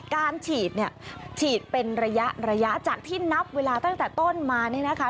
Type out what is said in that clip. การฉีดฉีดเป็นระยะจากที่นับเวลาตั้งแต่ต้นมานะคะ